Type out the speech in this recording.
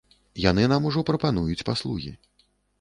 Яны нам ужо прапануюць паслугі.